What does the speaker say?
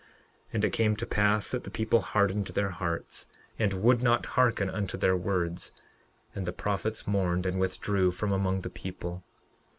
11:13 And it came to pass that the people hardened their hearts, and would not hearken unto their words; and the prophets mourned and withdrew from among the people.